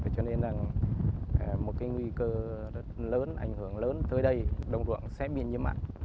cho nên là một cái nguy cơ rất lớn ảnh hưởng lớn tới đây đồng ruộng sẽ bị nhiễm mặn